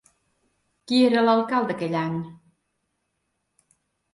Qui era alcalde aquell any?